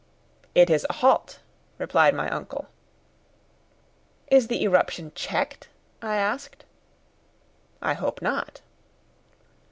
"It is a halt," replied my uncle. "Is the eruption checked?" I asked. "I hope not."